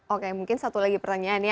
oke mungkin satu lagi pertanyaannya